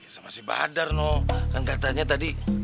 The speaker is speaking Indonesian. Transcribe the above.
sama si bahadar no kan katanya tadi